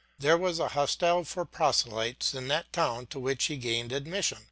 There was a hostel for proselytes in that town to which he gained admission.